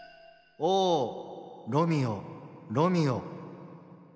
「おゝロミオロミオ！